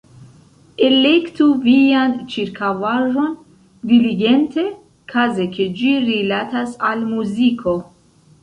Elektu vian ĉirkaŭaĵon diligente, kaze ke ĝi rilatas al muziko.